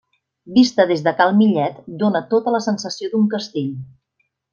Vista des de cal Millet dóna tota la sensació d'un castell.